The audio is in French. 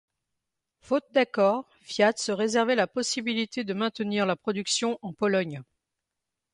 Faute d'accord, Fiat se réservait la possibilité de maintenir la production en Pologne.